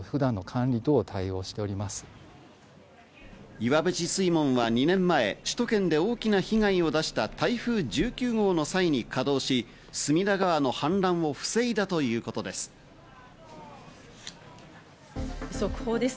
岩淵水門は２年前、首都圏で大きな被害を出した台風１９号の際に稼働し、隅田川の氾濫を防いだということです。